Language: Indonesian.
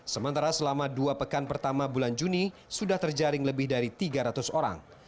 sementara selama dua pekan pertama bulan juni sudah terjaring lebih dari tiga ratus orang